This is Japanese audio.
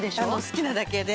好きなだけで。